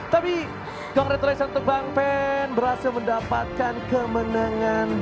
tapi congratulations untuk bang pen berhasil mendapatkan kemenangan